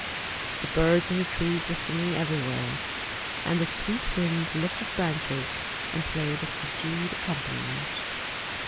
The birds in the trees were singing everywhere, and the sweet winds lifted branches and played a subdued accompaniment.